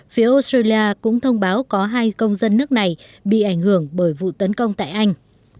phía australia cũng thông báo có hai công dân nước này bị ảnh hưởng bởi vụ tấn công tại anh